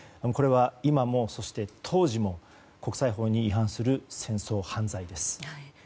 これは今も、そして当時も国際法に違反する戦争犯罪です。